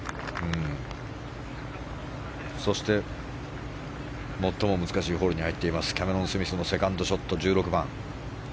そして、最も難しいホールに入っているキャメロン・スミスのセカンドショット、１６番。